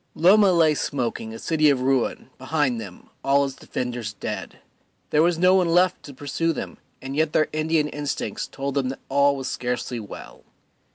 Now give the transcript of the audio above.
Loma lay smoking, a city of ruin, behind them, all its defenders dead; there was no one left to pursue them, and yet their Indian instincts told them that all was scarcely well.